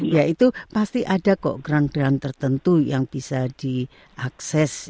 yaitu pasti ada kok grant grant tertentu yang bisa diakses